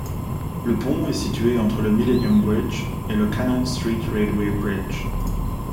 Le pont est situé entre le Millenium Bridge et le Cannon Street Railway Bridge.